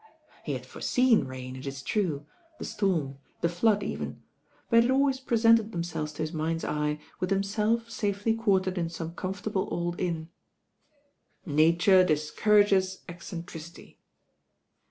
He had foreseen rain, it is true, the storm, the flood even; but they had always presented them selves to his mind's eye with himself safely quar tered in some comfortable old inn. "Nature discourages eccentricity."